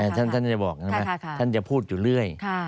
ท่านจะบอกใช่ไหมท่านจะพูดอยู่เรื่อย